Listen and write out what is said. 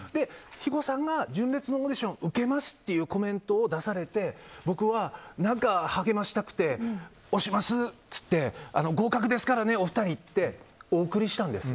肥後さんが純烈のオーディションを受けますというコメントを出されて僕は何か励ましたくて推しますって言って合格ですからね、お二人ってお送りしたんです。